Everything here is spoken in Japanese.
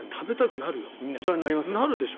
なるでしょ。